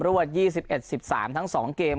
วด๒๑๑๓ทั้ง๒เกม